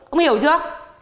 ông hiểu chưa